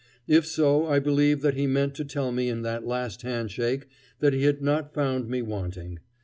If so, I believe that he meant to tell me in that last hand shake that he had not found me wanting.